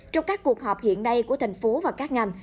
trong các cuộc họp hiện nay của thành phố và các ngành